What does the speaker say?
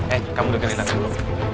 eh kamu dekati nanti dulu